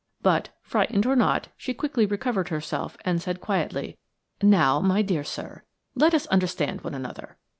But, frightened or not, she quickly recovered herself, and said quietly: "Now, my dear sir, let us understand one another.